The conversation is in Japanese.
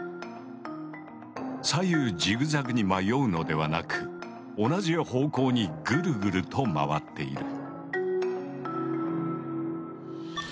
左右ジグザグに迷うのではなく同じ方向にぐるぐると回っている。